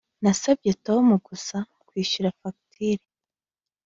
Nasabye Tom gusa kwishyura fagitire